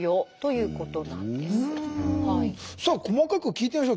うんさあ細かく聞いてみましょう。